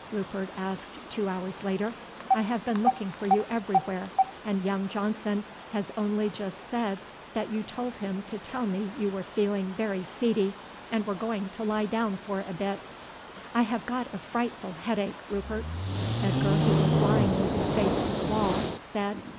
Rupert asked two hours later. "I have been looking for you everywhere, and young Johnson has only just said that you told him to tell me you were feeling very seedy, and were going to lie down for a bit." "I have got a frightful headache, Rupert," Edgar, who was lying with his face to the wall, said.